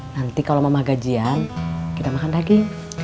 nanti kalau mama gajian kita makan daging